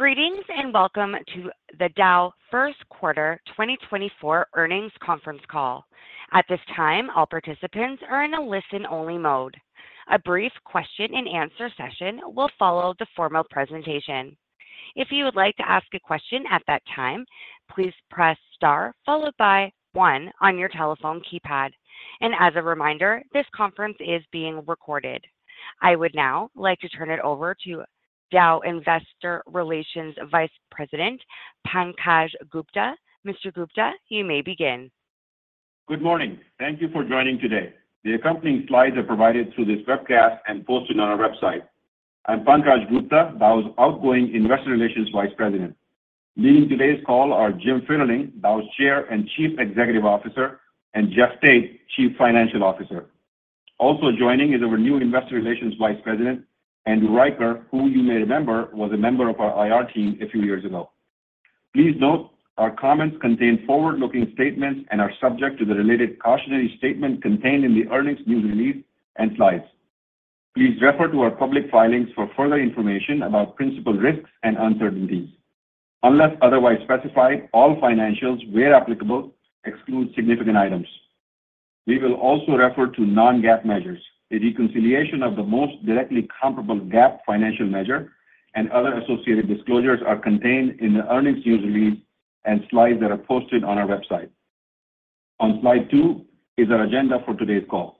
Greetings and welcome to the Dow first quarter 2024 earnings conference call. At this time, all participants are in a listen-only mode. A brief question-and-answer session will follow the formal presentation. If you would like to ask a question at that time, please press star followed by 1 on your telephone keypad. And as a reminder, this conference is being recorded. I would now like to turn it over to Dow Investor Relations Vice President Pankaj Gupta. Mr. Gupta, you may begin. Good morning. Thank you for joining today. The accompanying slides are provided through this webcast and posted on our website. I'm Pankaj Gupta, Dow's outgoing Investor Relations Vice President. Leading today's call are Jim Fitterling, Dow's Chair and Chief Executive Officer, and Jeff Tate, Chief Financial Officer. Also joining is our new Investor Relations Vice President, Andrew Weidener, who, you may remember, was a member of our IR team a few years ago. Please note, our comments contain forward-looking statements and are subject to the related cautionary statement contained in the earnings news release and slides. Please refer to our public filings for further information about principal risks and uncertainties. Unless otherwise specified, all financials, where applicable, exclude significant items. We will also refer to non-GAAP measures. A reconciliation of the most directly comparable GAAP financial measure and other associated disclosures are contained in the earnings news release and slides that are posted on our website. On slide 2 is our agenda for today's call.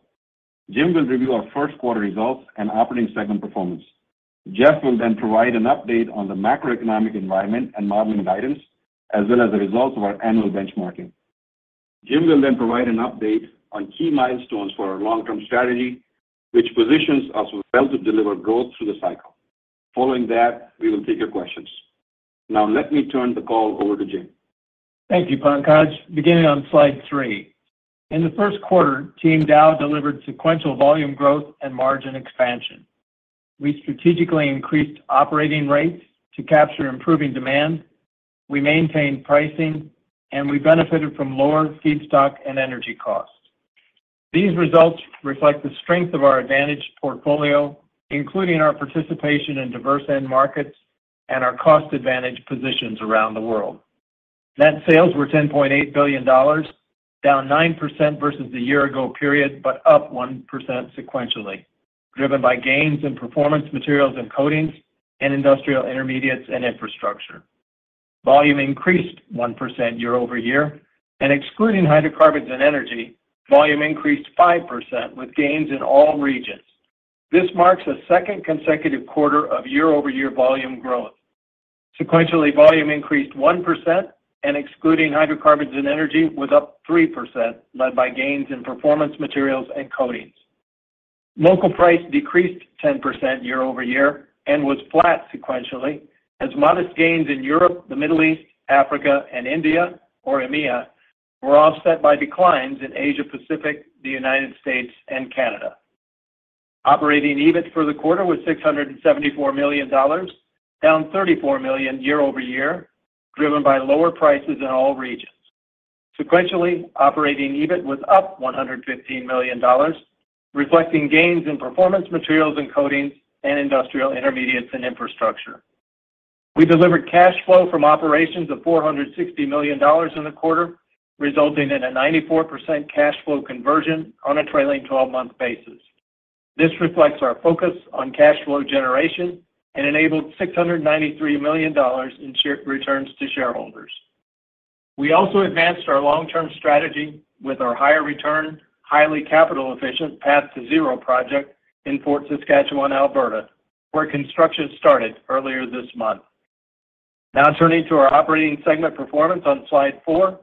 Jim will review our first quarter results and operating segment performance. Jeff will then provide an update on the macroeconomic environment and modeling guidance, as well as the results of our annual benchmarking. Jim will then provide an update on key milestones for our long-term strategy, which positions us well to deliver growth through the cycle. Following that, we will take your questions. Now, let me turn the call over to Jim. Thank you, Pankaj. Beginning on slide 3, in the first quarter, Team Dow delivered sequential volume growth and margin expansion. We strategically increased operating rates to capture improving demand. We maintained pricing, and we benefited from lower feedstock and energy costs. These results reflect the strength of our advantaged portfolio, including our participation in diverse end markets and our cost-advantaged positions around the world. Net sales were $10.8 billion, down 9% versus the year-ago period but up 1% sequentially, driven by gains in performance materials and coatings and industrial intermediates and infrastructure. Volume increased 1% year-over-year. Excluding hydrocarbons and energy, volume increased 5% with gains in all regions. This marks a second consecutive quarter of year-over-year volume growth. Sequentially, volume increased 1% and excluding hydrocarbons and energy was up 3%, led by gains in performance materials and coatings. Local price decreased 10% year over year and was flat sequentially, as modest gains in Europe, the Middle East, Africa, and India, or EMEA, were offset by declines in Asia-Pacific, the United States, and Canada. Operating EBIT for the quarter was $674 million, down $34 million year over year, driven by lower prices in all regions. Sequentially, operating EBIT was up $115 million, reflecting gains in performance materials and coatings and industrial intermediates and infrastructure. We delivered cash flow from operations of $460 million in the quarter, resulting in a 94% cash flow conversion on a trailing 12-month basis. This reflects our focus on cash flow generation and enabled $693 million in returns to shareholders. We also advanced our long-term strategy with our higher-return, highly capital-efficient Path2Zero project in Fort Saskatchewan, Alberta, where construction started earlier this month. Now, turning to our operating segment performance on slide 4,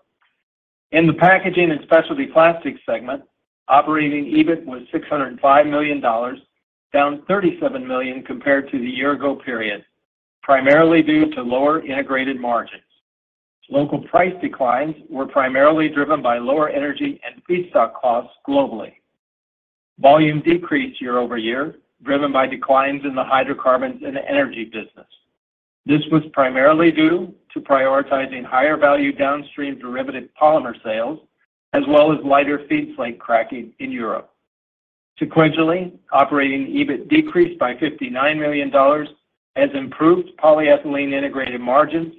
in the packaging and specialty plastics segment, operating EBIT was $605 million, down $37 million compared to the year-ago period, primarily due to lower integrated margins. Local price declines were primarily driven by lower energy and feedstock costs globally. Volume decreased year-over-year, driven by declines in the hydrocarbons and energy business. This was primarily due to prioritizing higher-value downstream derivative polymer sales, as well as lighter feedslate cracking in Europe. Sequentially, operating EBIT decreased by $59 million, as improved polyethylene integrated margins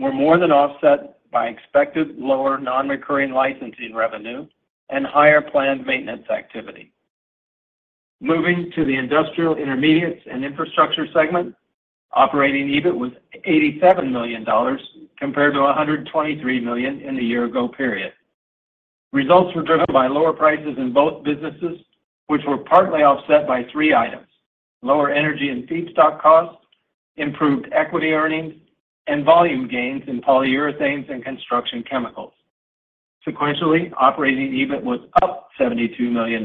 were more than offset by expected lower non-recurring licensing revenue and higher planned maintenance activity. Moving to the industrial intermediates and infrastructure segment, operating EBIT was $87 million compared to $123 million in the year-ago period. Results were driven by lower prices in both businesses, which were partly offset by three items: lower energy and feedstock costs, improved equity earnings, and volume gains in polyurethanes and construction chemicals. Sequentially, operating EBIT was up $72 million,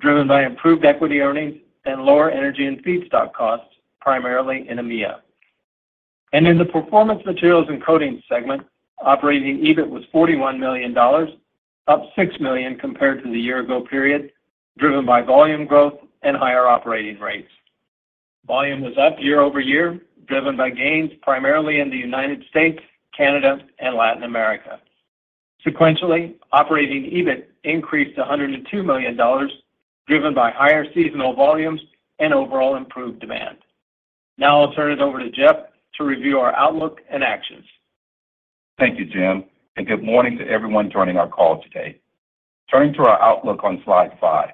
driven by improved equity earnings and lower energy and feedstock costs, primarily in EMEA. In the performance materials and coatings segment, operating EBIT was $41 million, up $6 million compared to the year-ago period, driven by volume growth and higher operating rates. Volume was up year-over-year, driven by gains primarily in the United States, Canada, and Latin America. Sequentially, operating EBIT increased to $102 million, driven by higher seasonal volumes and overall improved demand. Now, I'll turn it over to Jeff to review our outlook and actions. Thank you, Jim, and good morning to everyone joining our call today. Turning to our outlook on slide 5,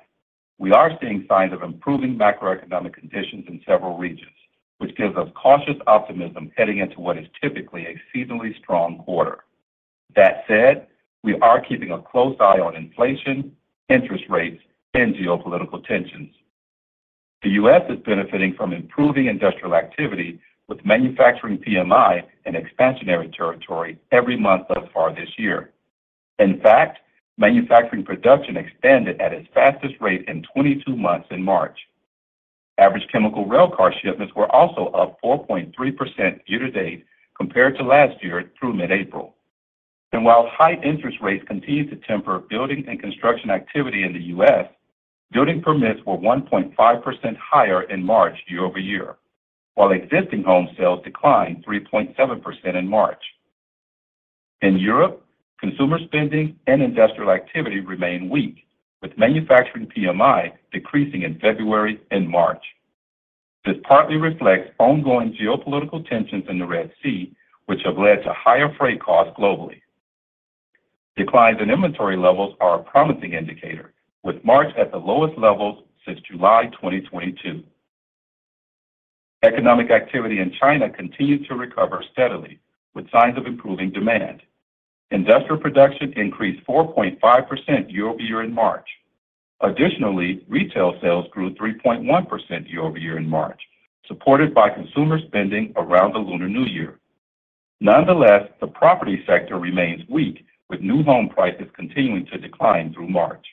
we are seeing signs of improving macroeconomic conditions in several regions, which gives us cautious optimism heading into what is typically a seasonally strong quarter. That said, we are keeping a close eye on inflation, interest rates, and geopolitical tensions. The U.S. is benefiting from improving industrial activity, with manufacturing PMI and expansionary territory every month thus far this year. In fact, manufacturing production expanded at its fastest rate in 22 months in March. Average chemical railcar shipments were also up 4.3% year to date compared to last year through mid-April. And while high interest rates continue to temper building and construction activity in the U.S., building permits were 1.5% higher in March year-over-year, while existing home sales declined 3.7% in March. In Europe, consumer spending and industrial activity remain weak, with manufacturing PMI decreasing in February and March. This partly reflects ongoing geopolitical tensions in the Red Sea, which have led to higher freight costs globally. Declines in inventory levels are a promising indicator, with March at the lowest levels since July 2022. Economic activity in China continues to recover steadily, with signs of improving demand. Industrial production increased 4.5% year-over-year in March. Additionally, retail sales grew 3.1% year-over-year in March, supported by consumer spending around the Lunar New Year. Nonetheless, the property sector remains weak, with new home prices continuing to decline through March.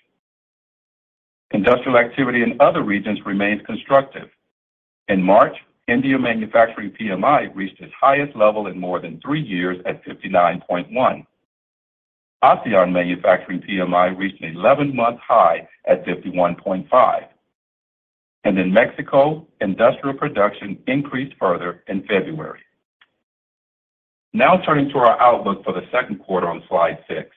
Industrial activity in other regions remains constructive. In March, India manufacturing PMI reached its highest level in more than three years at 59.1. ASEAN manufacturing PMI reached an 11-month high at 51.5. In Mexico, industrial production increased further in February. Now, turning to our outlook for the second quarter on slide 6,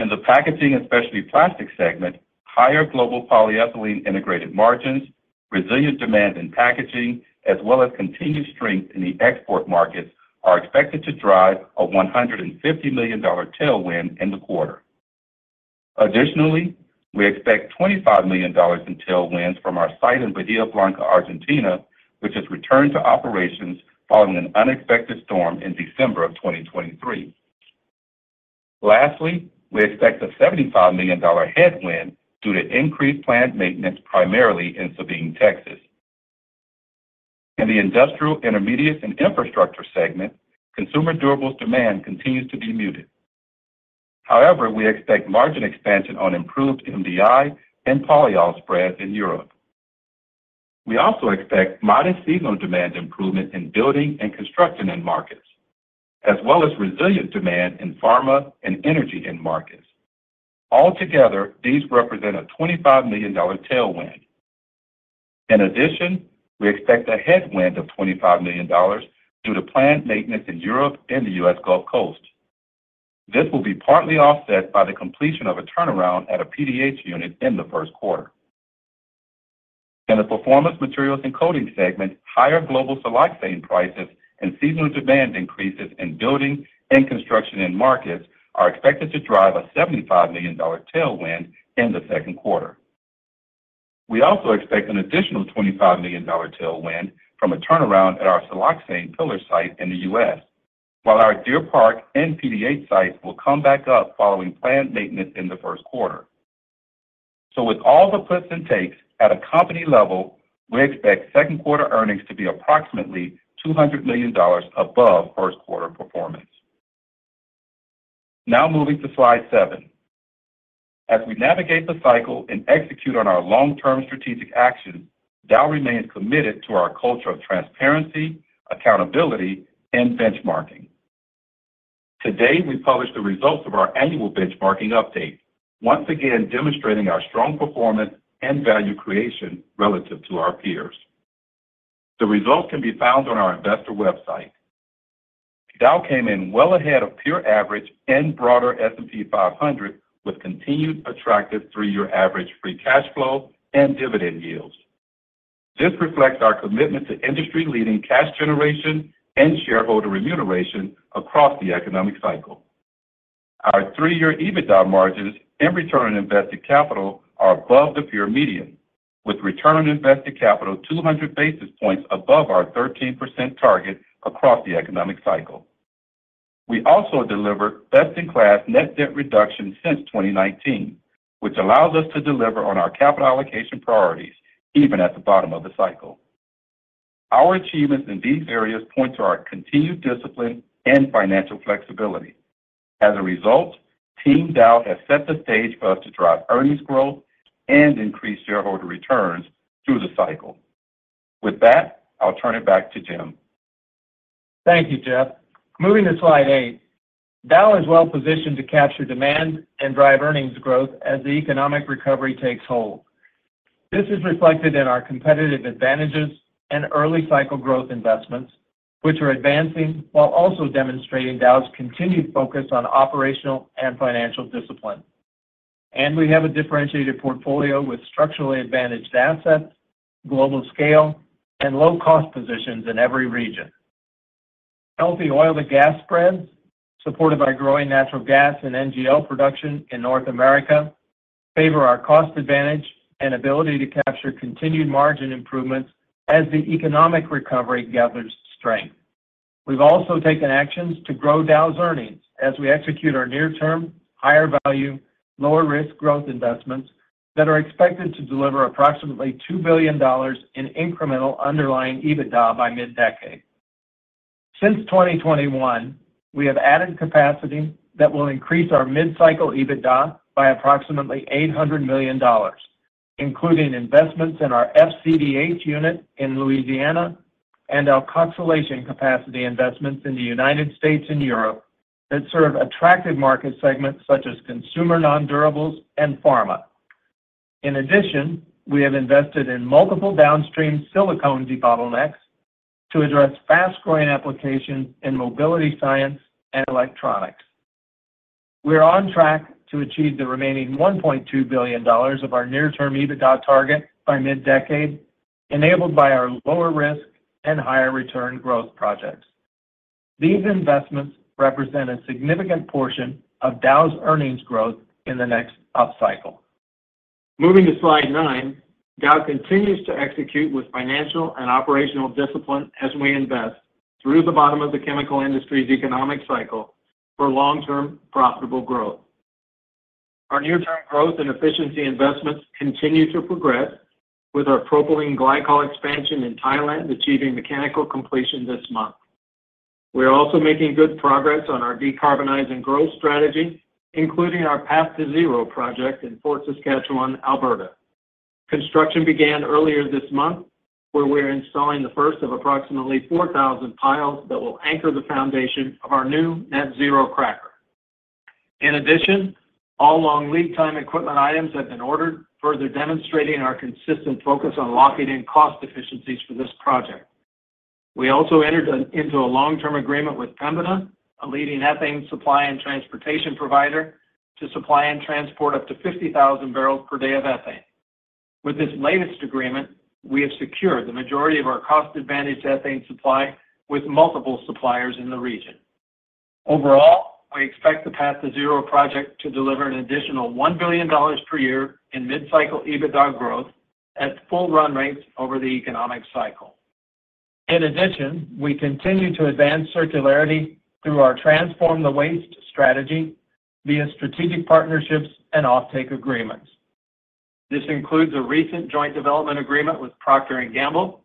in the packaging and specialty plastics segment, higher global polyethylene integrated margins, resilient demand in packaging, as well as continued strength in the export markets are expected to drive a $150 million tailwind in the quarter. Additionally, we expect $25 million in tailwinds from our site in Bahía Blanca, Argentina, which has returned to operations following an unexpected storm in December of 2023. Lastly, we expect a $75 million headwind due to increased planned maintenance, primarily in Sabine, Texas. In the industrial intermediates and infrastructure segment, consumer durables demand continues to be muted. However, we expect margin expansion on improved MDI and polyol spreads in Europe. We also expect modest seasonal demand improvement in building and construction markets, as well as resilient demand in pharma and energy markets. Altogether, these represent a $25 million tailwind. In addition, we expect a headwind of $25 million due to planned maintenance in Europe and the U.S. Gulf Coast. This will be partly offset by the completion of a turnaround at a PDH unit in the first quarter. In the performance materials and coatings segment, higher global siloxane prices and seasonal demand increases in building and construction markets are expected to drive a $75 million tailwind in the second quarter. We also expect an additional $25 million tailwind from a turnaround at our siloxane polymer site in the US, while our Deer Park and PDH sites will come back up following planned maintenance in the first quarter. With all the puts and takes, at a company level, we expect second quarter earnings to be approximately $200 million above first quarter performance. Now, moving to slide 7, as we navigate the cycle and execute on our long-term strategic actions, Dow remains committed to our culture of transparency, accountability, and benchmarking. Today, we published the results of our annual benchmarking update, once again demonstrating our strong performance and value creation relative to our peers. The results can be found on our investor website. Dow came in well ahead of peer average and broader S&P 500, with continued attractive three-year average free cash flow and dividend yields. This reflects our commitment to industry-leading cash generation and shareholder remuneration across the economic cycle. Our three-year EBITDA margins and return on invested capital are above the peer median, with return on invested capital 200 basis points above our 13% target across the economic cycle. We also deliver best-in-class net debt reduction since 2019, which allows us to deliver on our capital allocation priorities, even at the bottom of the cycle. Our achievements in these areas point to our continued discipline and financial flexibility. As a result, Team Dow has set the stage for us to drive earnings growth and increase shareholder returns through the cycle. With that, I'll turn it back to Jim. Thank you, Jeff. Moving to slide 8, Dow is well positioned to capture demand and drive earnings growth as the economic recovery takes hold. This is reflected in our competitive advantages and early-cycle growth investments, which are advancing while also demonstrating Dow's continued focus on operational and financial discipline. We have a differentiated portfolio with structurally advantaged assets, global scale, and low-cost positions in every region. Healthy oil and gas spreads, supported by growing natural gas and NGL production in North America, favor our cost advantage and ability to capture continued margin improvements as the economic recovery gathers strength. We've also taken actions to grow Dow's earnings as we execute our near-term, higher-value, lower-risk growth investments that are expected to deliver approximately $2 billion in incremental underlying EBITDA by mid-decade. Since 2021, we have added capacity that will increase our mid-cycle EBITDA by approximately $800 million, including investments in our FCDh unit in Louisiana and alkoxylation capacity investments in the United States and Europe that serve attractive market segments such as consumer non-durables and pharma. In addition, we have invested in multiple downstream silicone debottlenecks to address fast-growing applications in MobilityScience and electronics. We're on track to achieve the remaining $1.2 billion of our near-term EBITDA target by mid-decade, enabled by our lower-risk and higher-return growth projects. These investments represent a significant portion of Dow's earnings growth in the next upcycle. Moving to slide 9, Dow continues to execute with financial and operational discipline as we invest through the bottom of the chemical industry's economic cycle for long-term profitable growth. Our near-term growth and efficiency investments continue to progress, with our propylene glycol expansion in Thailand achieving mechanical completion this month. We're also making good progress on our decarbonizing growth strategy, including our Path2Zero project in Fort Saskatchewan, Alberta. Construction began earlier this month, where we're installing the first of approximately 4,000 piles that will anchor the foundation of our new net-zero cracker. In addition, all long-lead time equipment items have been ordered, further demonstrating our consistent focus on locking in cost efficiencies for this project. We also entered into a long-term agreement with Pembina, a leading ethane supply and transportation provider, to supply and transport up to 50,000 barrels per day of ethane. With this latest agreement, we have secured the majority of our cost-advantaged ethane supply with multiple suppliers in the region. Overall, we expect the Path2Zero project to deliver an additional $1 billion per year in mid-cycle EBITDA growth at full run rates over the economic cycle. In addition, we continue to advance circularity through our Transform the Waste strategy via strategic partnerships and offtake agreements. This includes a recent joint development agreement with Procter & Gamble,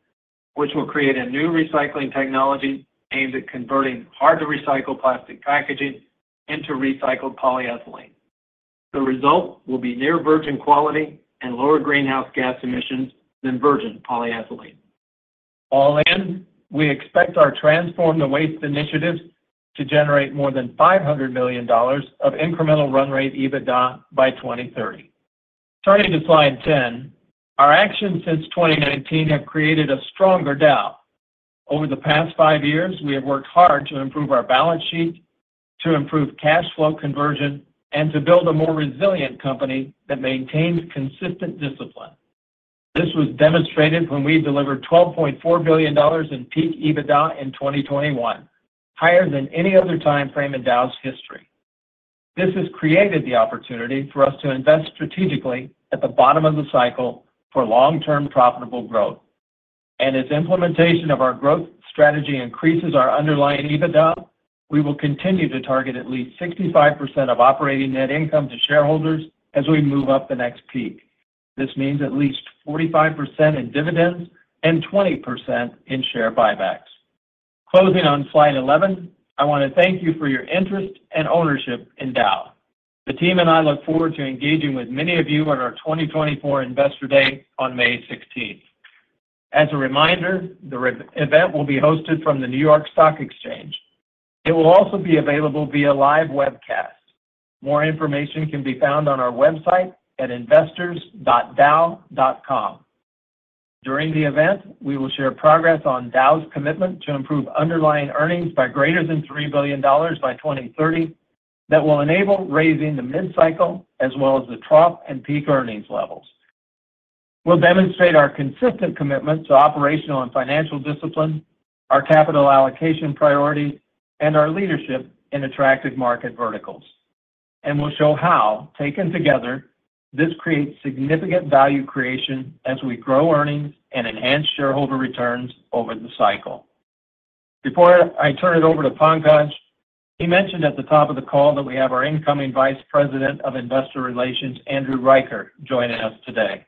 which will create a new recycling technology aimed at converting hard-to-recycle plastic packaging into recycled polyethylene. The result will be near virgin quality and lower greenhouse gas emissions than virgin polyethylene. All in, we expect our Transform the Waste initiatives to generate more than $500 million of incremental run rate EBITDA by 2030. Turning to slide 10, our actions since 2019 have created a stronger Dow. Over the past five years, we have worked hard to improve our balance sheet, to improve cash flow conversion, and to build a more resilient company that maintains consistent discipline. This was demonstrated when we delivered $12.4 billion in peak EBITDA in 2021, higher than any other time frame in Dow's history. This has created the opportunity for us to invest strategically at the bottom of the cycle for long-term profitable growth. As implementation of our growth strategy increases our underlying EBITDA, we will continue to target at least 65% of operating net income to shareholders as we move up the next peak. This means at least 45% in dividends and 20% in share buybacks. Closing on slide 11, I want to thank you for your interest and ownership in Dow. The team and I look forward to engaging with many of you at our 2024 Investor Day on May 16th. As a reminder, the event will be hosted from the New York Stock Exchange. It will also be available via live webcast. More information can be found on our website at investors.dow.com. During the event, we will share progress on Dow's commitment to improve underlying earnings by greater than $3 billion by 2030 that will enable raising the mid-cycle as well as the trough and peak earnings levels. We'll demonstrate our consistent commitment to operational and financial discipline, our capital allocation priorities, and our leadership in attractive market verticals. We'll show how, taken together, this creates significant value creation as we grow earnings and enhance shareholder returns over the cycle. Before I turn it over to Pankaj, he mentioned at the top of the call that we have our incoming Vice President of Investor Relations, Andrew Weidener, joining us today.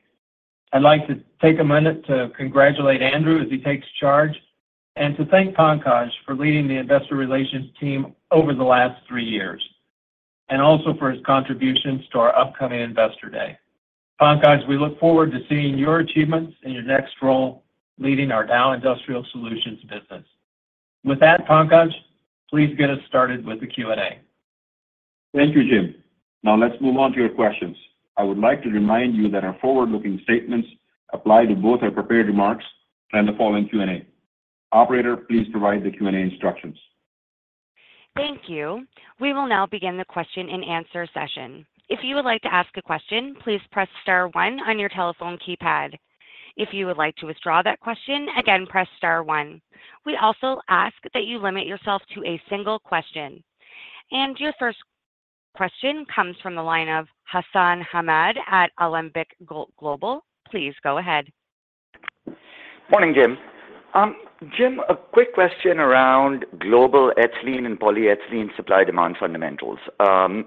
I'd like to take a minute to congratulate Andrew as he takes charge and to thank Pankaj for leading the Investor Relations team over the last three years, and also for his contributions to our upcoming Investor Day. Pankaj, we look forward to seeing your achievements in your next role leading our Dow Industrial Solutions business. With that, Pankaj, please get us started with the Q&A. Thank you, Jim. Now, let's move on to your questions. I would like to remind you that our forward-looking statements apply to both our prepared remarks and the following Q&A. Operator, please provide the Q&A instructions. Thank you. We will now begin the question and answer session. If you would like to ask a question, please press star 1 on your telephone keypad. If you would like to withdraw that question, again, press star 1. We also ask that you limit yourself to a single question. Your first question comes from the line of Hassan Ahmed at Alembic Global. Please go ahead. Morning, Jim. Jim, a quick question around global ethylene and polyethylene supply-demand fundamentals. On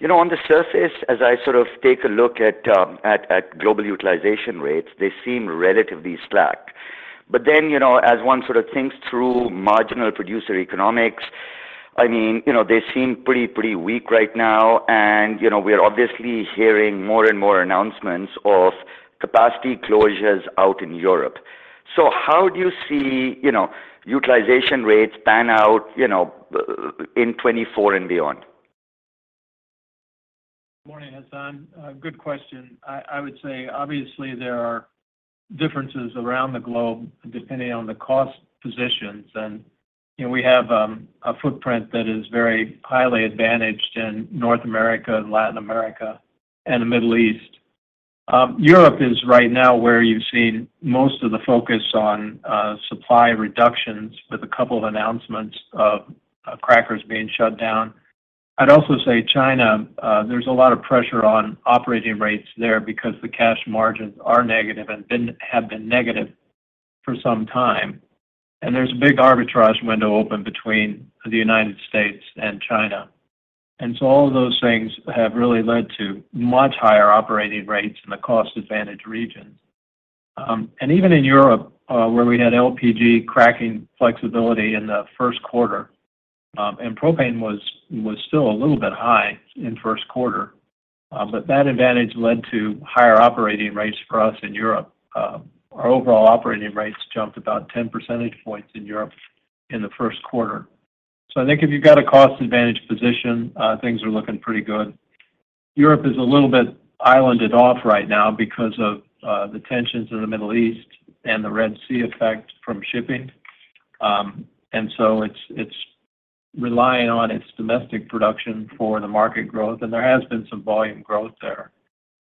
the surface, as I sort of take a look at global utilization rates, they seem relatively stacked. But then, as one sort of thinks through marginal producer economics, I mean, they seem pretty weak right now. And we're obviously hearing more and more announcements of capacity closures out in Europe. So how do you see utilization rates pan out in 2024 and beyond? Morning, Hassan. Good question. I would say, obviously, there are differences around the globe depending on the cost positions. We have a footprint that is very highly advantaged in North America, Latin America, and the Middle East. Europe is right now where you've seen most of the focus on supply reductions with a couple of announcements of crackers being shut down. I'd also say China, there's a lot of pressure on operating rates there because the cash margins are negative and have been negative for some time. There's a big arbitrage window open between the United States and China. So all of those things have really led to much higher operating rates in the cost-advantaged regions. And even in Europe, where we had LPG cracking flexibility in the first quarter, and propane was still a little bit high in first quarter, but that advantage led to higher operating rates for us in Europe. Our overall operating rates jumped about 10 percentage points in Europe in the first quarter. So I think if you've got a cost-advantaged position, things are looking pretty good. Europe is a little bit islanded off right now because of the tensions in the Middle East and the Red Sea effect from shipping. And so it's relying on its domestic production for the market growth. And there has been some volume growth there.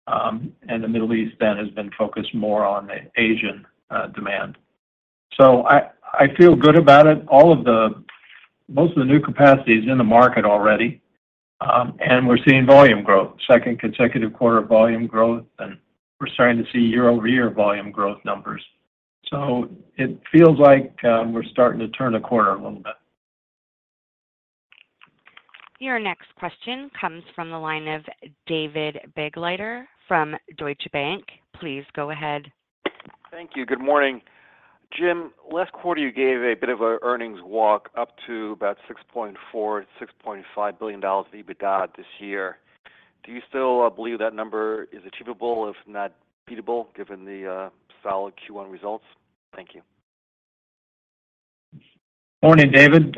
And the Middle East then has been focused more on the Asian demand. So I feel good about it. Most of the new capacity is in the market already. And we're seeing volume growth, second consecutive quarter of volume growth. We're starting to see year-over-year volume growth numbers. It feels like we're starting to turn a corner a little bit. Your next question comes from the line of David Begleiter from Deutsche Bank. Please go ahead. Thank you. Good morning. Jim, last quarter, you gave a bit of an earnings walk up to about $6.4-$6.5 billion of EBITDA this year. Do you still believe that number is achievable, if not beatable, given the solid Q1 results? Thank you. Morning, David.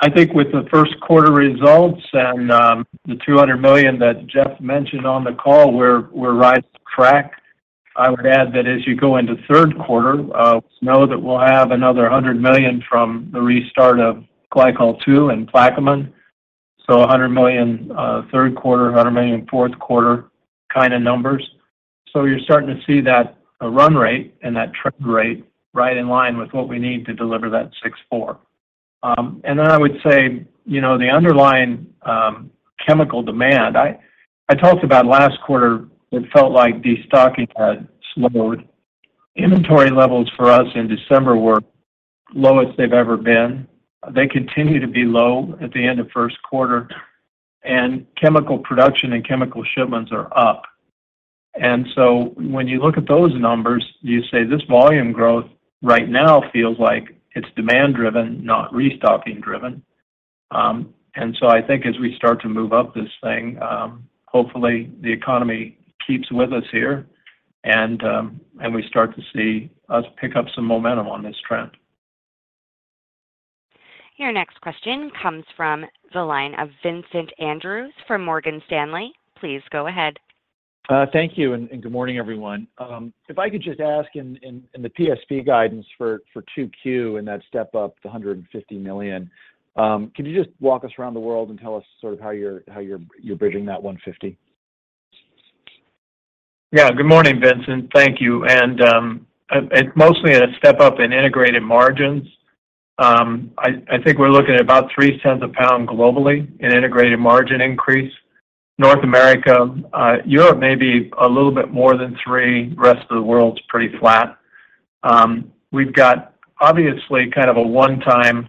I think with the first quarter results and the $200 million that Jeff mentioned on the call, we're right on track. I would add that as you go into third quarter, know that we'll have another $100 million from the restart of Glycol 2 and Plaquemine. So $100 million third quarter, $100 million fourth quarter kind of numbers. So you're starting to see that run rate and that trend rate right in line with what we need to deliver that 2024. And then I would say the underlying chemical demand, I talked about last quarter, it felt like destocking had slowed. Inventory levels for us in December were lowest they've ever been. They continue to be low at the end of first quarter. And chemical production and chemical shipments are up. When you look at those numbers, you say this volume growth right now feels like it's demand-driven, not restocking-driven. I think as we start to move up this thing, hopefully, the economy keeps with us here, and we start to see us pick up some momentum on this trend. Your next question comes from the line of Vincent Andrews from Morgan Stanley. Please go ahead. Thank you. Good morning, everyone. If I could just ask, in the P&SP guidance for 2Q and that step up, the $150 million, can you just walk us around the world and tell us sort of how you're bridging that 150? Yeah. Good morning, Vincent. Thank you. It's mostly a step up in integrated margins. I think we're looking at about 0.3 of a pound globally in integrated margin increase. North America, Europe maybe a little bit more than 3. The rest of the world's pretty flat. We've got, obviously, kind of a one-time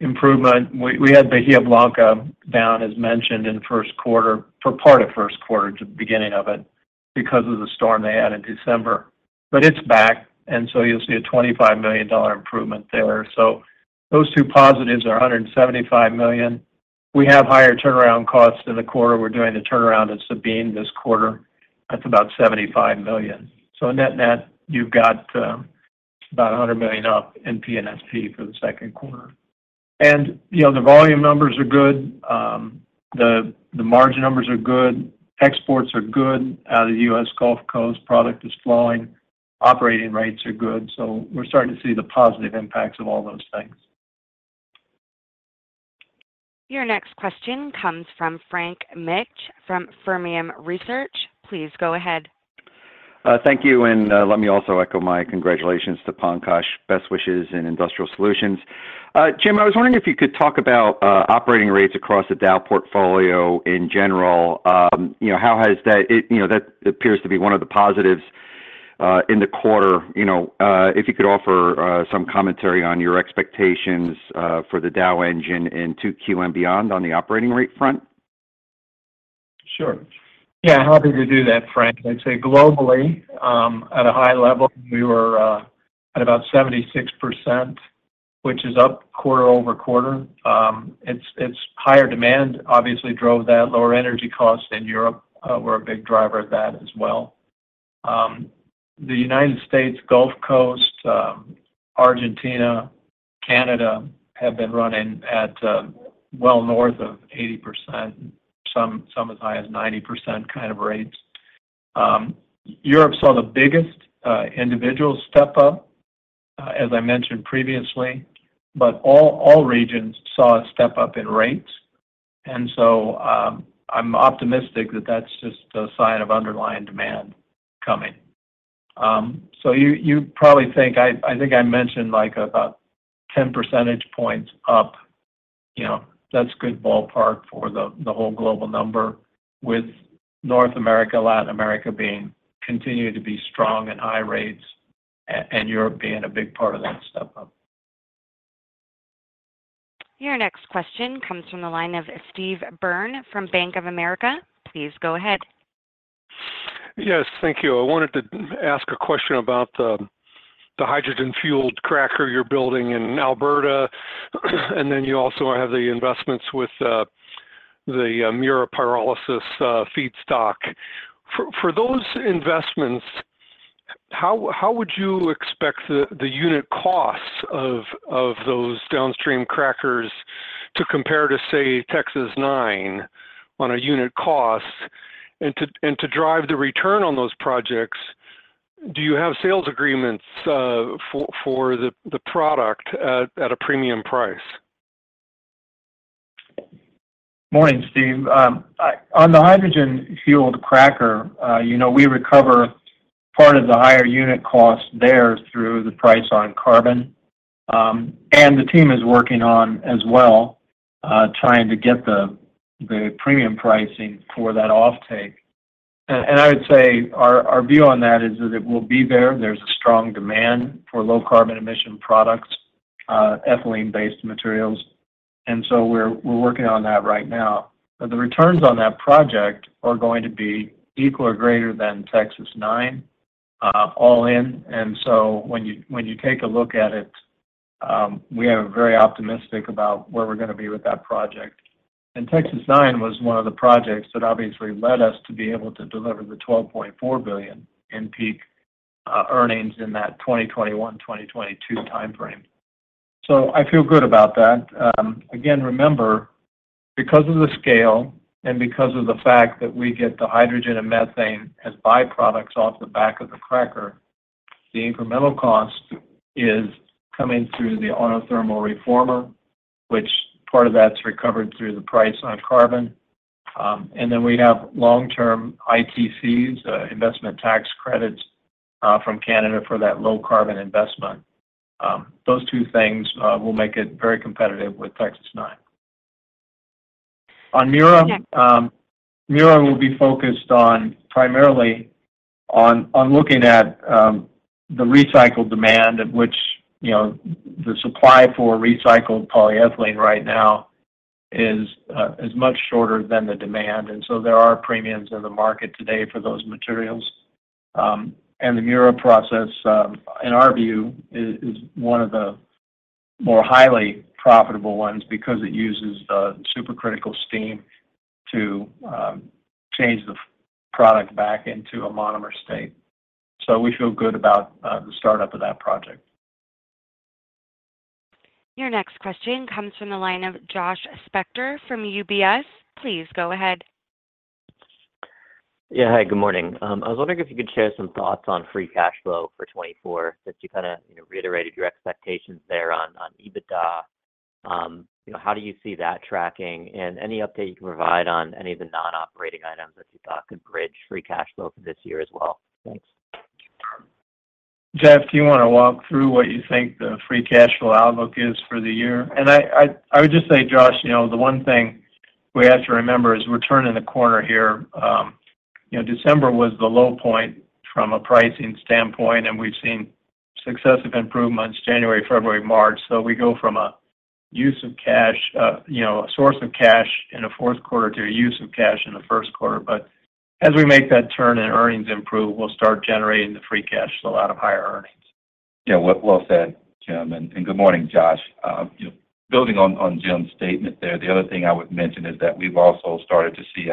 improvement. We had the Bahía Blanca down, as mentioned, in first quarter, for part of first quarter, the beginning of it, because of the storm they had in December. But it's back. And so you'll see a $25 million improvement there. So those two positives are $175 million. We have higher turnaround costs in the quarter. We're doing the turnaround at Sabine this quarter. That's about $75 million. So net-net, you've got about $100 million up in P&SP for the second quarter. And the volume numbers are good. The margin numbers are good. Exports are good out of the U.S. Gulf Coast. Product is flowing. Operating rates are good. So we're starting to see the positive impacts of all those things. Your next question comes from Frank Mitsch from Fermium Research. Please go ahead. Thank you. Let me also echo my congratulations to Pankaj. Best wishes in Industrial Solutions. Jim, I was wondering if you could talk about operating rates across the Dow portfolio in general. How has that appears to be one of the positives in the quarter. If you could offer some commentary on your expectations for the Dow engine in 2Q and beyond on the operating rate front. Sure. Yeah. Happy to do that, Frank. I'd say globally, at a high level, we were at about 76%, which is up quarter-over-quarter. It's higher demand, obviously, drove that. Lower energy costs in Europe were a big driver of that as well. The United States, Gulf Coast, Argentina, Canada have been running at well north of 80%, some as high as 90% kind of rates. Europe saw the biggest individual step up, as I mentioned previously. But all regions saw a step up in rates. And so I'm optimistic that that's just a sign of underlying demand coming. So you probably think I think I mentioned about 10 percentage points up. That's a good ballpark for the whole global number, with North America, Latin America continuing to be strong at high rates, and Europe being a big part of that step up. Your next question comes from the line of Steve Byrne from Bank of America. Please go ahead. Yes. Thank you. I wanted to ask a question about the hydrogen-fueled cracker you're building in Alberta. And then you also have the investments with the Mura pyrolysis feedstock. For those investments, how would you expect the unit costs of those downstream crackers to compare to, say, TX-9 on a unit cost? And to drive the return on those projects, do you have sales agreements for the product at a premium price? Morning, Steve. On the hydrogen-fueled cracker, we recover part of the higher unit cost there through the price on carbon. The team is working on as well, trying to get the premium pricing for that offtake. I would say our view on that is that it will be there. There's a strong demand for low-carbon emission products, ethylene-based materials. We're working on that right now. The returns on that project are going to be equal or greater than TX-9, all in. When you take a look at it, we are very optimistic about where we're going to be with that project. TX-9 was one of the projects that obviously led us to be able to deliver the $12.4 billion in peak earnings in that 2021-2022 time frame. I feel good about that. Again, remember, because of the scale and because of the fact that we get the hydrogen and methane as byproducts off the back of the cracker, the incremental cost is coming through the autothermal reformer, which part of that's recovered through the price on carbon. And then we have long-term ITCs, investment tax credits from Canada for that low-carbon investment. Those two things will make it very competitive with TX-9. On Mura, Mura will be focused primarily on looking at the recycled demand, at which the supply for recycled polyethylene right now is much shorter than the demand. And so there are premiums in the market today for those materials. And the Mura process, in our view, is one of the more highly profitable ones because it uses the supercritical steam to change the product back into a monomer state. We feel good about the startup of that project. Your next question comes from the line of Josh Spector from UBS. Please go ahead. Yeah. Hi. Good morning. I was wondering if you could share some thoughts on free cash flow for 2024 since you kind of reiterated your expectations there on EBITDA. How do you see that tracking? And any update you can provide on any of the non-operating items that you thought could bridge free cash flow for this year as well. Thanks. Jeff, do you want to walk through what you think the free cash flow outlook is for the year? And I would just say, Josh, the one thing we have to remember is we're turning the corner here. December was the low point from a pricing standpoint. And we've seen successive improvements January, February, March. So we go from a source of cash in the fourth quarter to a use of cash in the first quarter. But as we make that turn and earnings improve, we'll start generating the free cash flow out of higher earnings. Yeah. Well said, Jim. Good morning, Josh. Building on Jim's statement there, the other thing I would mention is that we've also started to see,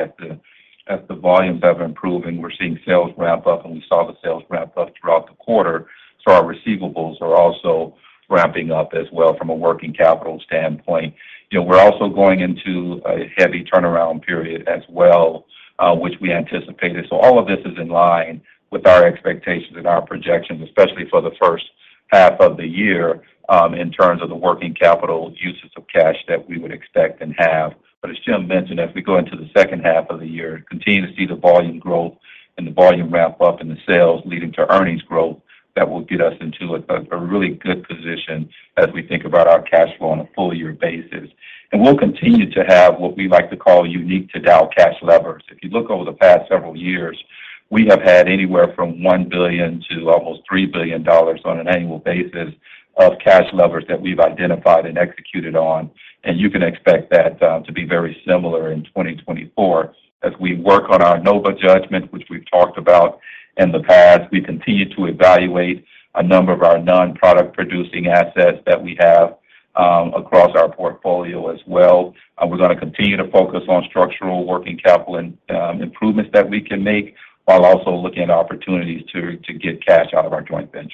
as the volumes have improving, we're seeing sales ramp up. We saw the sales ramp up throughout the quarter. Our receivables are also ramping up as well from a working capital standpoint. We're also going into a heavy turnaround period as well, which we anticipated. All of this is in line with our expectations and our projections, especially for the first half of the year in terms of the working capital uses of cash that we would expect and have. But as Jim mentioned, as we go into the second half of the year, continue to see the volume growth and the volume ramp up and the sales leading to earnings growth, that will get us into a really good position as we think about our cash flow on a full-year basis. And we'll continue to have what we like to call unique-to-Dow cash levers. If you look over the past several years, we have had anywhere from $1 billion to almost $3 billion on an annual basis of cash levers that we've identified and executed on. And you can expect that to be very similar in 2024. As we work on our NOVA judgment, which we've talked about in the past, we continue to evaluate a number of our non-product-producing assets that we have across our portfolio as well. We're going to continue to focus on structural working capital improvements that we can make while also looking at opportunities to get cash out of our joint ventures.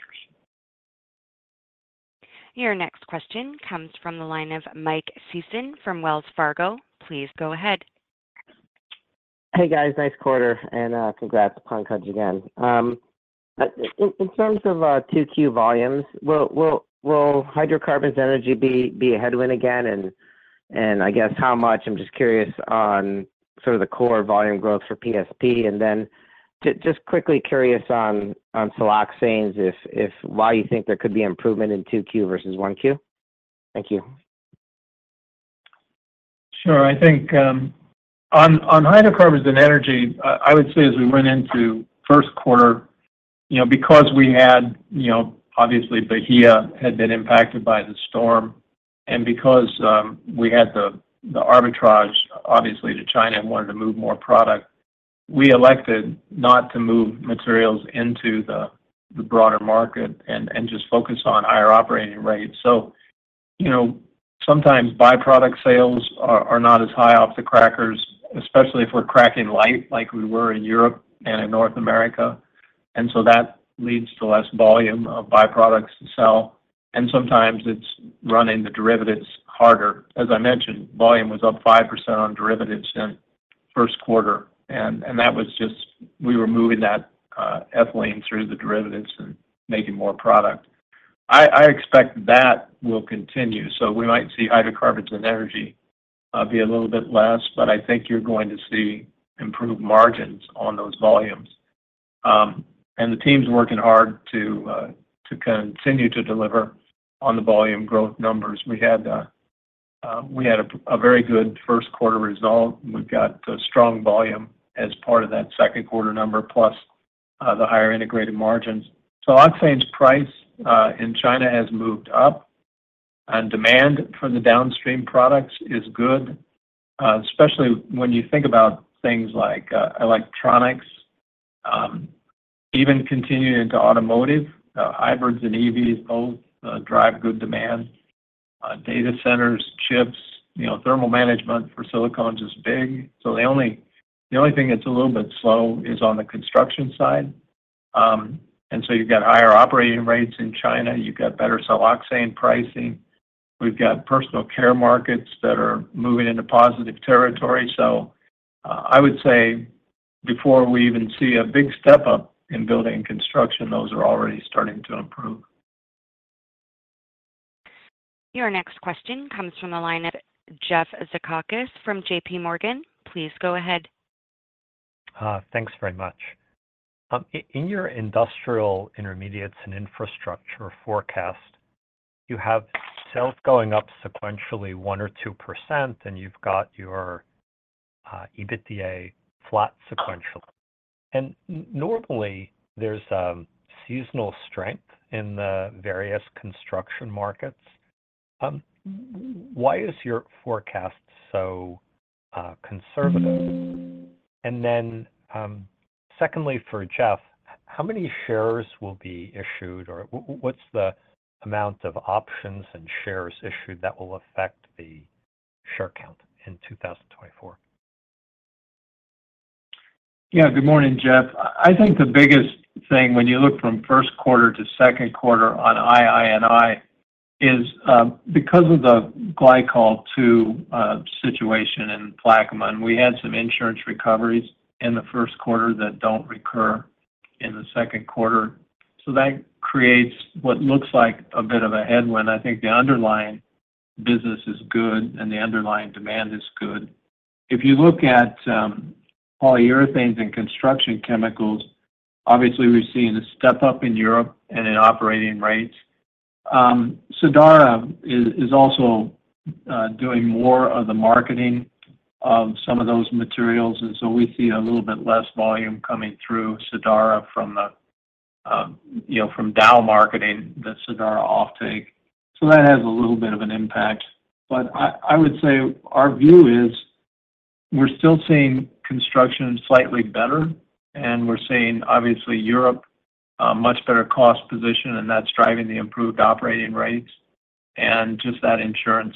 Your next question comes from the line of Mike Sison from Wells Fargo. Please go ahead. Hey, guys. Nice quarter. Congrats, Pankaj, again. In terms of 2Q volumes, will hydrocarbons energy be a headwind again? I guess how much? I'm just curious on sort of the core volume growth for P&SP. Then just quickly curious on siloxanes, why you think there could be improvement in 2Q versus 1Q? Thank you. Sure. I think on hydrocarbons and energy, I would say as we went into first quarter, because we had obviously, Bahía had been impacted by the storm. And because we had the arbitrage, obviously, to China and wanted to move more product, we elected not to move materials into the broader market and just focus on higher operating rates. So sometimes byproduct sales are not as high off the crackers, especially if we're cracking light like we were in Europe and in North America. And so that leads to less volume of byproducts to sell. And sometimes it's running the derivatives harder. As I mentioned, volume was up 5% on derivatives in first quarter. And that was just we were moving that ethylene through the derivatives and making more product. I expect that will continue. So we might see hydrocarbons and energy be a little bit less. But I think you're going to see improved margins on those volumes. And the team's working hard to continue to deliver on the volume growth numbers. We had a very good first-quarter result. We've got strong volume as part of that second-quarter number plus the higher integrated margins. Siloxanes' price in China has moved up. And demand for the downstream products is good, especially when you think about things like electronics, even continuing into automotive. Hybrids and EVs, both drive good demand. Data centers, chips, thermal management for silicones is big. So the only thing that's a little bit slow is on the construction side. And so you've got higher operating rates in China. You've got better siloxanes pricing. We've got personal care markets that are moving into positive territory. I would say before we even see a big step up in building and construction, those are already starting to improve. Your next question comes from the line. Jeff Zekauskas from JP Morgan. Please go ahead. Thanks very much. In your industrial intermediates and infrastructure forecast, you have sales going up sequentially 1%-2%. You've got your EBITDA flat sequentially. Normally, there's seasonal strength in the various construction markets. Why is your forecast so conservative? Then secondly, for Jeff, how many shares will be issued? Or what's the amount of options and shares issued that will affect the share count in 2024? Yeah. Good morning, Jeff. I think the biggest thing when you look from first quarter to second quarter on II&I is because of the glycol-2 situation in Plaquemine. We had some insurance recoveries in the first quarter that don't recur in the second quarter. So that creates what looks like a bit of a headwind. I think the underlying business is good. And the underlying demand is good. If you look at polyurethanes and construction chemicals, obviously, we're seeing a step up in Europe and in operating rates. Sadara is also doing more of the marketing of some of those materials. And so we see a little bit less volume coming through Sadara from Dow marketing, the Sadara offtake. So that has a little bit of an impact. But I would say our view is we're still seeing construction slightly better. We're seeing, obviously, Europe, a much better cost position. That's driving the improved operating rates. Just that insurance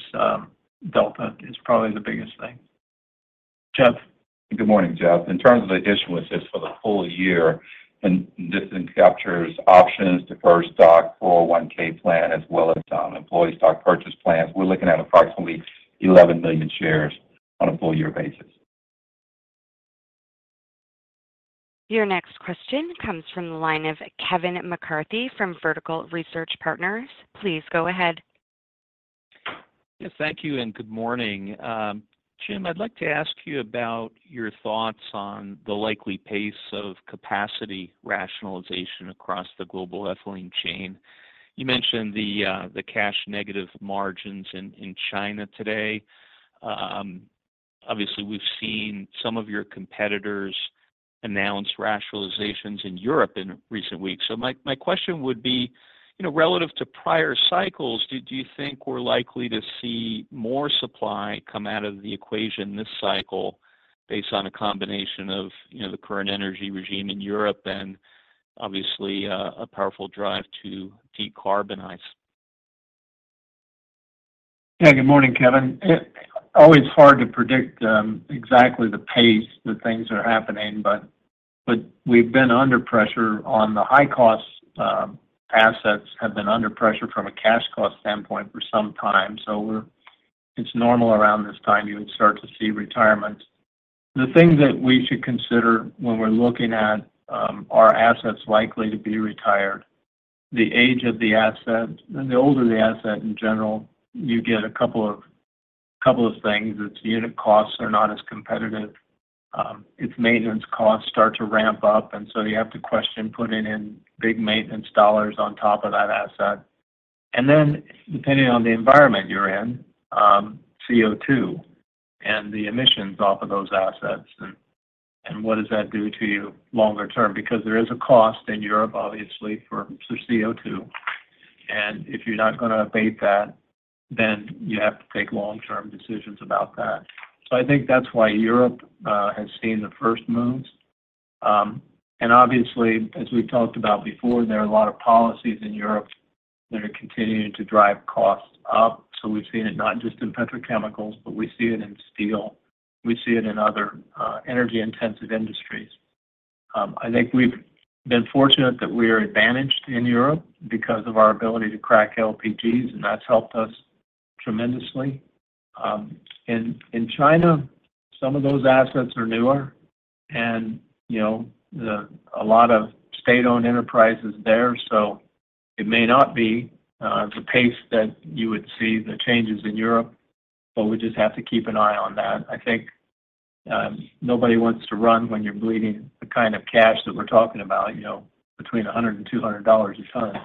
delta is probably the biggest thing. Jeff? Good morning, Jeff. In terms of the issuance, it's for the full year. This encompasses options, diverse stock, 401(k) plan, as well as employee stock purchase plans. We're looking at approximately 11 million shares on a full-year basis. Your next question comes from the line of Kevin McCarthy from Vertical Research Partners. Please go ahead. Yes. Thank you. Good morning. Jim, I'd like to ask you about your thoughts on the likely pace of capacity rationalization across the global ethylene chain. You mentioned the cash negative margins in China today. Obviously, we've seen some of your competitors announce rationalizations in Europe in recent weeks. So my question would be, relative to prior cycles, do you think we're likely to see more supply come out of the equation this cycle based on a combination of the current energy regime in Europe and, obviously, a powerful drive to decarbonize? Yeah. Good morning, Kevin. Always hard to predict exactly the pace that things are happening. But we've been under pressure on the high-cost assets have been under pressure from a cash cost standpoint for some time. So it's normal around this time you would start to see retirements. The thing that we should consider when we're looking at our assets likely to be retired, the age of the asset, the older the asset in general, you get a couple of things. Its unit costs are not as competitive. Its maintenance costs start to ramp up. And so you have to question putting in big maintenance dollars on top of that asset. And then depending on the environment you're in, CO2 and the emissions off of those assets and what does that do to you longer term? Because there is a cost in Europe, obviously, for CO2. And if you're not going to abate that, then you have to take long-term decisions about that. So I think that's why Europe has seen the first moves. And obviously, as we've talked about before, there are a lot of policies in Europe that are continuing to drive costs up. So we've seen it not just in petrochemicals, but we see it in steel. We see it in other energy-intensive industries. I think we've been fortunate that we are advantaged in Europe because of our ability to crack LPGs. And that's helped us tremendously. In China, some of those assets are newer. And a lot of state-owned enterprises there. So it may not be the pace that you would see the changes in Europe. But we just have to keep an eye on that. I think nobody wants to run when you're bleeding the kind of cash that we're talking about, between $100 and $200 a ton.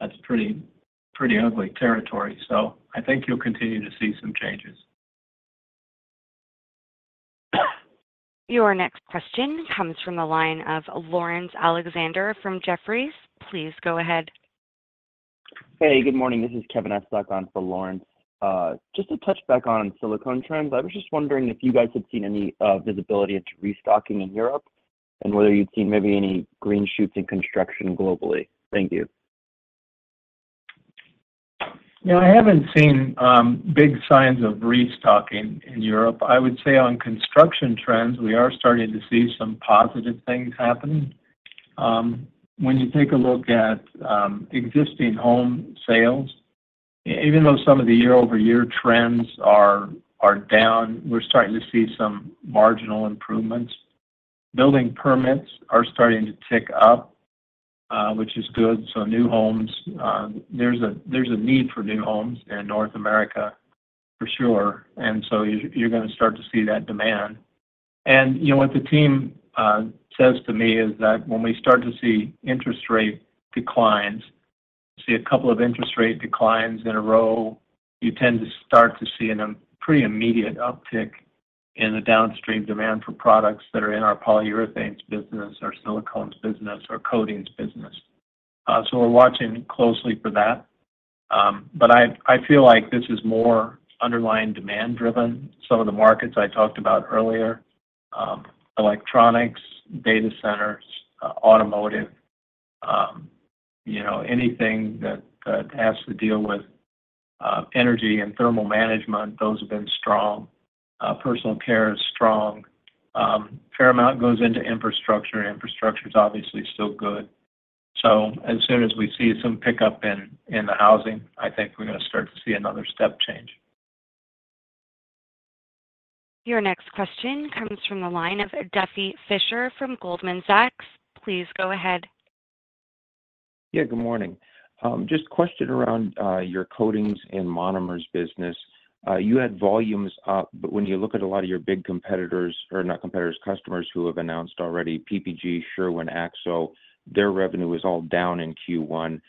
That's pretty ugly territory. So I think you'll continue to see some changes. Your next question comes from the line of Lawrence Alexander from Jefferies. Please go ahead. Hey. Good morning. This is Kevin Estok for Lawrence. Just to touch back on silicone trends, I was just wondering if you guys had seen any visibility into restocking in Europe and whether you'd seen maybe any green shoots in construction globally. Thank you. Yeah. I haven't seen big signs of restocking in Europe. I would say on construction trends, we are starting to see some positive things happening. When you take a look at existing home sales, even though some of the year-over-year trends are down, we're starting to see some marginal improvements. Building permits are starting to tick up, which is good. So there's a need for new homes in North America, for sure. And so you're going to start to see that demand. And what the team says to me is that when we start to see interest rate declines, see a couple of interest rate declines in a row, you tend to start to see a pretty immediate uptick in the downstream demand for products that are in our polyurethanes business or silicones business or coatings business. So we're watching closely for that. But I feel like this is more underlying demand-driven. Some of the markets I talked about earlier, electronics, data centers, automotive, anything that has to deal with energy and thermal management, those have been strong. Personal care is strong. A fair amount goes into infrastructure. Infrastructure is obviously still good. So as soon as we see some pickup in the housing, I think we're going to start to see another step change. Your next question comes from the line of Duffy Fischer from Goldman Sachs. Please go ahead. Yeah. Good morning. Just question around your coatings and monomers business. You had volumes up. But when you look at a lot of your big competitors or not competitors, customers who have announced already, PPG, Sherwin-Williams, AkzoNobel, their revenue is all down in Q1.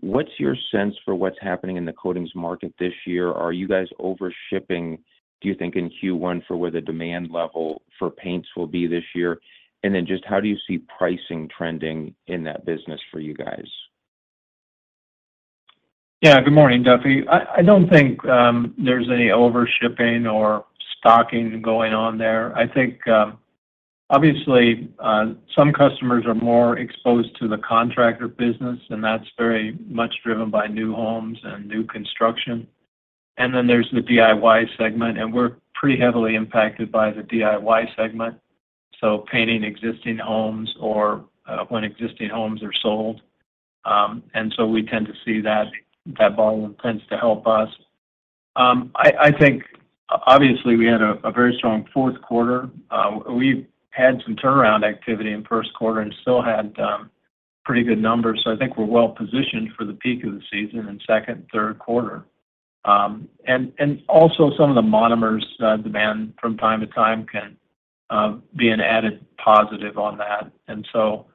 What's your sense for what's happening in the coatings market this year? Are you guys overshipping, do you think, in Q1 for where the demand level for paints will be this year? And then just how do you see pricing trending in that business for you guys? Yeah. Good morning, Duffy. I don't think there's any overshipping or stocking going on there. I think, obviously, some customers are more exposed to the contractor business. And that's very much driven by new homes and new construction. And then there's the DIY segment. And we're pretty heavily impacted by the DIY segment, so painting existing homes or when existing homes are sold. And so we tend to see that volume tends to help us. I think, obviously, we had a very strong fourth quarter. We've had some turnaround activity in first quarter and still had pretty good numbers. So I think we're well-positioned for the peak of the season in second, third quarter. And also, some of the monomers demand from time to time can be an added positive on that. And so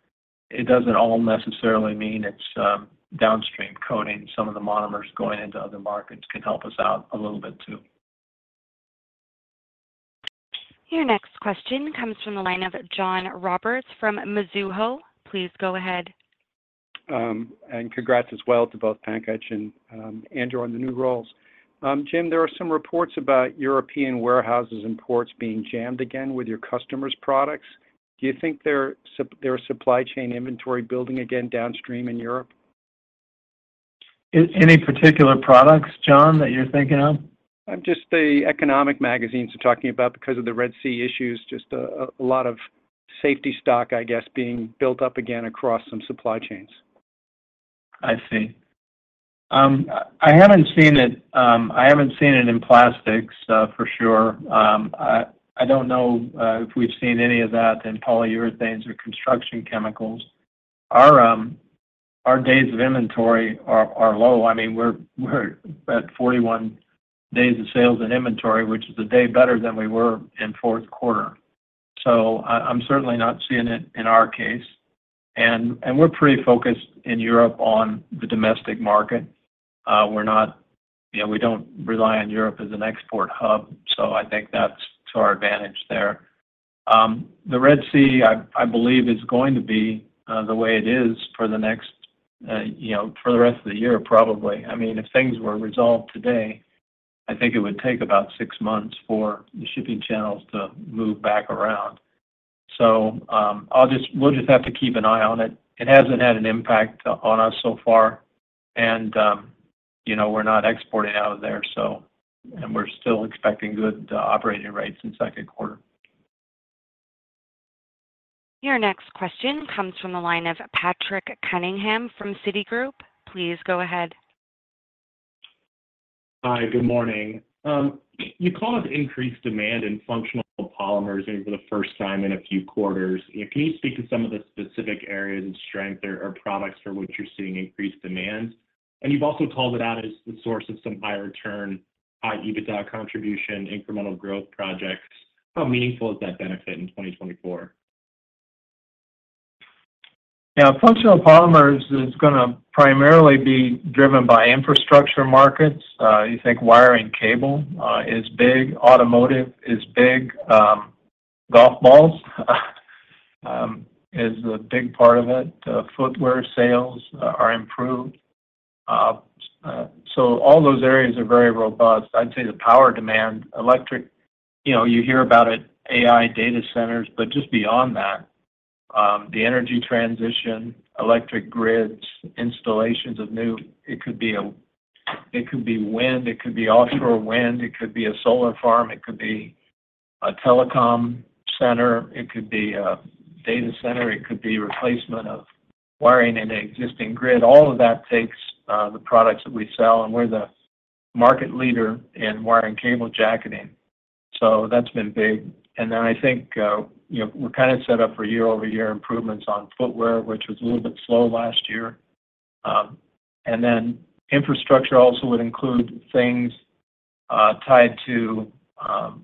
it doesn't all necessarily mean it's downstream coating. Some of the monomers going into other markets can help us out a little bit too. Your next question comes from the line of John Roberts from Mizuho. Please go ahead. Congrats as well to both Pankaj and Andrew on the new roles. Jim, there are some reports about European warehouses and ports being jammed again with your customers' products. Do you think there are supply chain inventory building again downstream in Europe? Any particular products, John, that you're thinking of? I'm just the economic magazines are talking about because of the Red Sea issues, just a lot of safety stock, I guess, being built up again across some supply chains. I see. I haven't seen it. I haven't seen it in plastics, for sure. I don't know if we've seen any of that in polyurethanes or construction chemicals. Our days of inventory are low. I mean, we're at 41 days of sales and inventory, which is a day better than we were in fourth quarter. So I'm certainly not seeing it in our case. And we're pretty focused in Europe on the domestic market. We don't rely on Europe as an export hub. So I think that's to our advantage there. The Red Sea, I believe, is going to be the way it is for the next for the rest of the year, probably. I mean, if things were resolved today, I think it would take about six months for the shipping channels to move back around. So we'll just have to keep an eye on it. It hasn't had an impact on us so far. We're not exporting out of there, so. We're still expecting good operating rates in second quarter. Your next question comes from the line of Patrick Cunningham from Citigroup. Please go ahead. Hi. Good morning. You called out increased demand in functional polymers for the first time in a few quarters. Can you speak to some of the specific areas of strength or products for which you're seeing increased demand? And you've also called it out as the source of some high return, high EBITDA contribution, incremental growth projects. How meaningful is that benefit in 2024? Yeah. Functional polymers is going to primarily be driven by infrastructure markets. You think wire and cable is big. Automotive is big. Golf balls is a big part of it. Footwear sales are improved. So all those areas are very robust. I'd say the power demand, electric, you hear about it, AI data centers. But just beyond that, the energy transition, electric grids, installations of new. It could be wind. It could be offshore wind. It could be a solar farm. It could be a telecom center. It could be a data center. It could be replacement of wiring in an existing grid. All of that takes the products that we sell. And we're the market leader in wire and cable jacketing. So that's been big. And then I think we're kind of set up for year-over-year improvements on footwear, which was a little bit slow last year. Then infrastructure also would include things tied to ionomer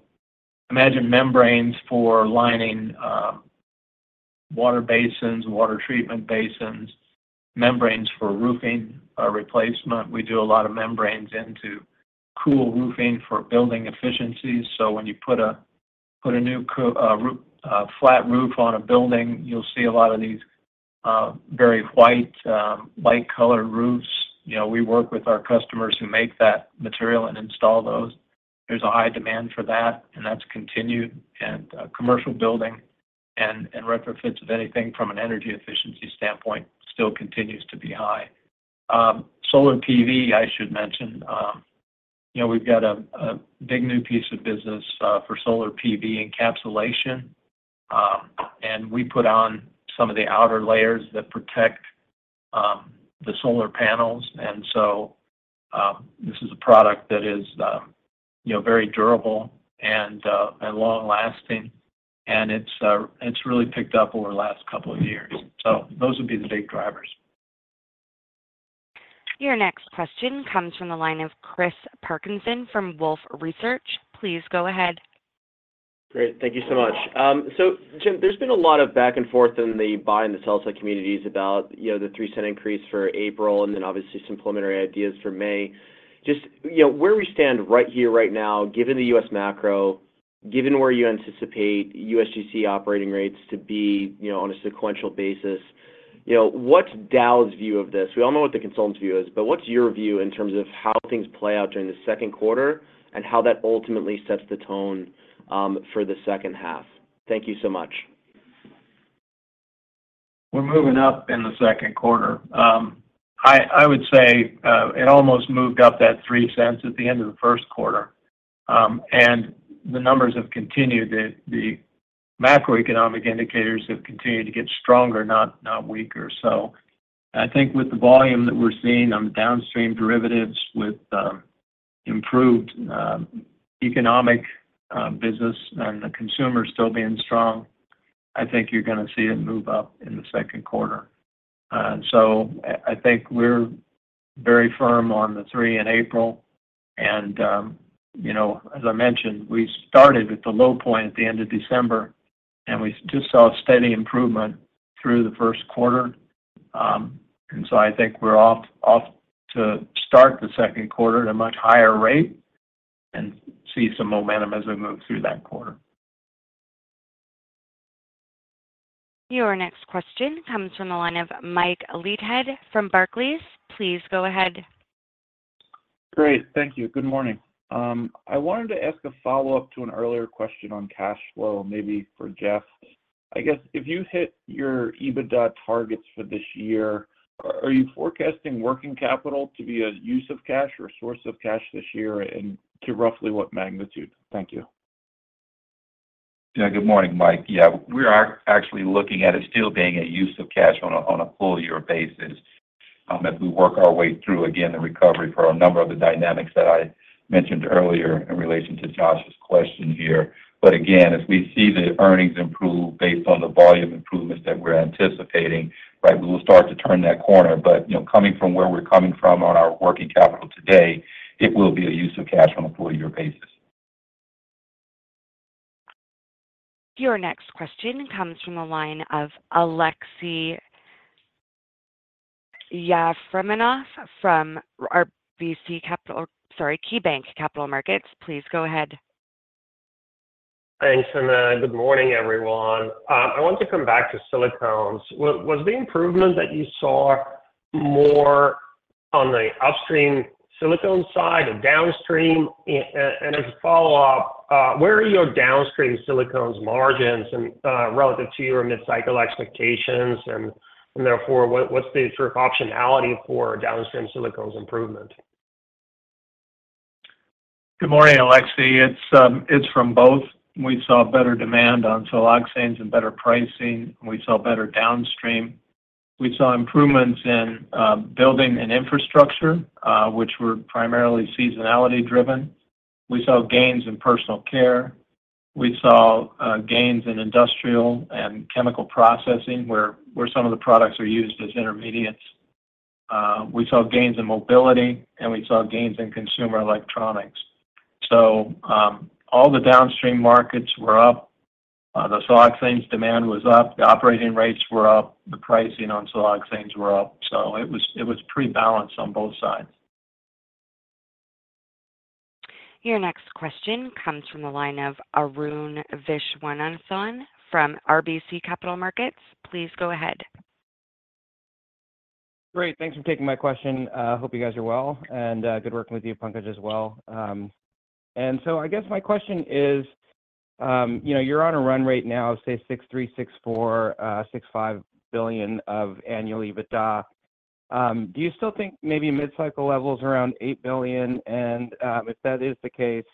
membranes for lining water basins, water treatment basins, membranes for roofing replacement. We do a lot of membranes into cool roofing for building efficiencies. So when you put a new flat roof on a building, you'll see a lot of these very white-colored roofs. We work with our customers who make that material and install those. There's a high demand for that. And that's continued. And commercial building and retrofits of anything from an energy efficiency standpoint still continues to be high. Solar PV, I should mention. We've got a big new piece of business for solar PV encapsulation. And we put on some of the outer layers that protect the solar panels. And so this is a product that is very durable and long-lasting. And it's really picked up over the last couple of years. Those would be the big drivers. Your next question comes from the line of Chris Parkinson from Wolfe Research. Please go ahead. Great. Thank you so much. So Jim, there's been a lot of back and forth in the buy-and-sell side communities about the $0.03 increase for April and then, obviously, some preliminary ideas for May. Just where we stand right here, right now, given the US macro, given where you anticipate USGC operating rates to be on a sequential basis, what's Dow's view of this? We all know what the consultant's view is. But what's your view in terms of how things play out during the second quarter and how that ultimately sets the tone for the second half? Thank you so much. We're moving up in the second quarter. I would say it almost moved up that $0.03 at the end of the first quarter. The numbers have continued. The macroeconomic indicators have continued to get stronger, not weaker. I think with the volume that we're seeing on the downstream derivatives with improved economic business and the consumer still being strong, I think you're going to see it move up in the second quarter. I think we're very firm on the $0.03 in April. As I mentioned, we started at the low point at the end of December. We just saw steady improvement through the first quarter. I think we're off to start the second quarter at a much higher rate and see some momentum as we move through that quarter. Your next question comes from the line of Mike Leithead from Barclays. Please go ahead. Great. Thank you. Good morning. I wanted to ask a follow-up to an earlier question on cash flow, maybe for Jeff. I guess if you hit your EBITDA targets for this year, are you forecasting working capital to be a use of cash or a source of cash this year and to roughly what magnitude? Thank you. Yeah. Good morning, Mike. Yeah. We are actually looking at it still being a use of cash on a full-year basis as we work our way through, again, the recovery for a number of the dynamics that I mentioned earlier in relation to Josh's question here. But again, as we see the earnings improve based on the volume improvements that we're anticipating, right, we will start to turn that corner. But coming from where we're coming from on our working capital today, it will be a use of cash on a full-year basis. Your next question comes from the line of Aleksey Yefremov from RBC Capital sorry, KeyBanc Capital Markets. Please go ahead. Thanks, Amy. Good morning, everyone. I want to come back to silicones. Was the improvement that you saw more on the upstream silicone side or downstream? And as a follow-up, where are your downstream silicones' margins relative to your mid-cycle expectations? And therefore, what's the sort of optionality for downstream silicones' improvement? Good morning, Aleksey. It's from both. We saw better demand on siloxanes and better pricing. We saw better downstream. We saw improvements in building and infrastructure, which were primarily seasonality-driven. We saw gains in personal care. We saw gains in industrial and chemical processing where some of the products are used as intermediates. We saw gains in mobility. And we saw gains in consumer electronics. So all the downstream markets were up. The siloxanes' demand was up. The operating rates were up. The pricing on siloxanes were up. So it was pretty balanced on both sides. Your next question comes from the line of Arun Viswanathan from RBC Capital Markets. Please go ahead. Great. Thanks for taking my question. Hope you guys are well. And good working with you, Pankaj, as well. And so I guess my question is, you're on a run right now, say, $63 billion, $64 billion, $65 billion of annual EBITDA. Do you still think maybe mid-cycle level's around $8 billion? And if that is the case,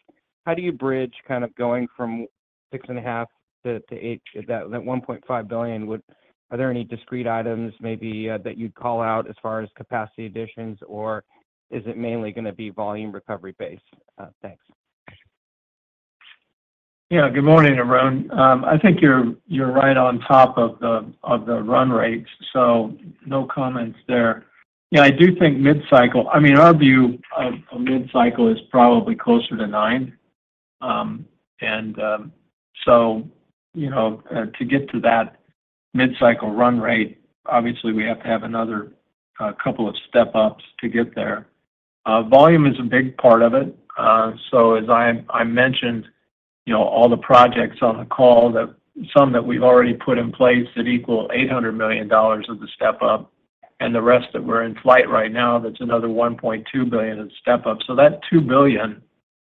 how do you bridge kind of going from $6.5 billion to $8 billion? That $1.5 billion, are there any discrete items maybe that you'd call out as far as capacity additions? Or is it mainly going to be volume recovery-based? Thanks. Yeah. Good morning, Arun. I think you're right on top of the run rates. So no comments there. Yeah. I do think mid-cycle, I mean, our view of mid-cycle is probably closer to 9. And so to get to that mid-cycle run rate, obviously, we have to have another couple of step-ups to get there. Volume is a big part of it. So as I mentioned, all the projects on the call, some that we've already put in place that equal $800 million of the step-up. And the rest that we're in flight right now, that's another $1.2 billion of the step-up. So that $2 billion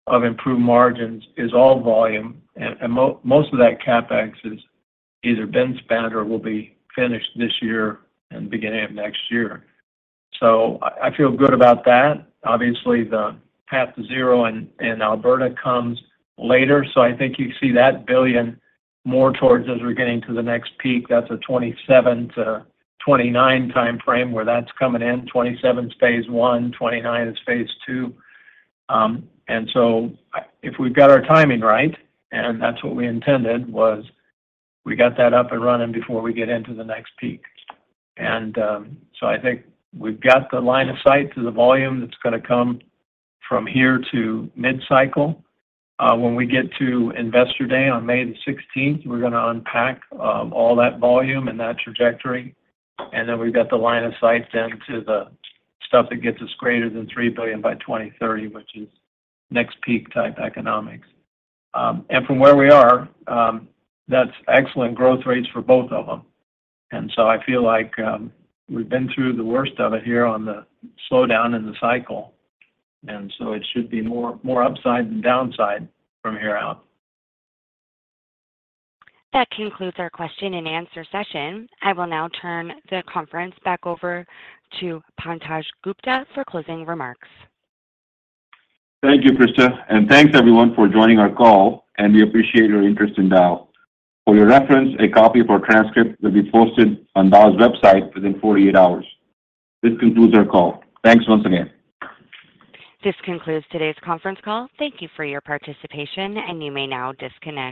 of improved margins is all volume. And most of that CapEx has either been spent or will be finished this year and beginning of next year. So I feel good about that. Obviously, the Path2Zero in Alberta comes later. So I think you see that $1 billion more towards as we're getting to the next peak. That's a 2027-2029 time frame where that's coming in. 2027 is phase one. 2029 is phase two. And so if we've got our timing right, and that's what we intended, was we got that up and running before we get into the next peak. And so I think we've got the line of sight to the volume that's going to come from here to mid-cycle. When we get to Investor Day on May 16th, we're going to unpack all that volume and that trajectory. And then we've got the line of sight then to the stuff that gets us greater than $3 billion by 2030, which is next-peak-type economics. And from where we are, that's excellent growth rates for both of them. I feel like we've been through the worst of it here on the slowdown in the cycle. It should be more upside than downside from here out. That concludes our question-and-answer session. I will now turn the conference back over to Pankaj Gupta for closing remarks. Thank you, Krista. Thanks, everyone, for joining our call. We appreciate your interest in Dow. For your reference, a copy of our transcript will be posted on Dow's website within 48 hours. This concludes our call. Thanks once again. This concludes today's conference call. Thank you for your participation. You may now disconnect.